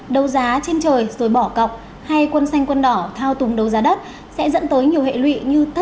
đấu giá trên trời rồi bỏ cọc hay quân xanh quân đỏ thao túng đấu giá đất sẽ dẫn tới nhiều hệ lụy như